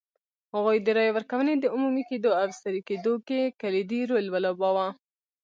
هغوی د رایې ورکونې د عمومي کېدو او سري کېدو کې کلیدي رول ولوباوه.